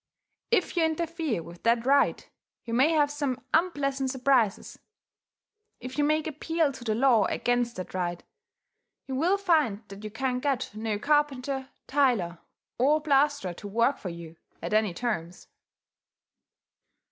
If you interfere with that right, you may have some unpleasant surprises. If you make appeal to the law against that right, you will find that you can get no carpenter, tiler, or plasterer to work for you at any terms.